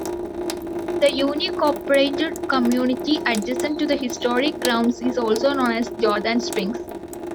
The Unincorporated community adjacent to the historic grounds is also known as Jordan Springs.